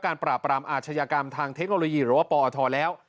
ปราบปรามอาชญากรรมทางเทคโนโลยีหรือว่าปอทแล้ว